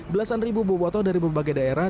belasan ribu bobotoh dari berbagai daerah